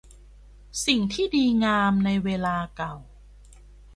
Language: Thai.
สิ่งที่ดีงามในเวลาเก่า